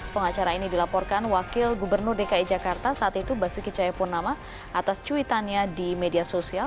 pengacara ini dilaporkan wakil gubernur dki jakarta saat itu basuki cahayapurnama atas cuitannya di media sosial